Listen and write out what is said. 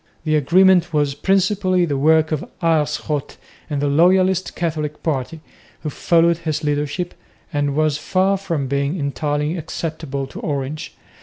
The agreement was principally the work of Aerschot and the loyalist Catholic party, who followed his leadership, and was far from being entirely acceptable to Orange.